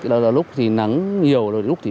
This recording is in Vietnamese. đó là lúc thì nắng nhiều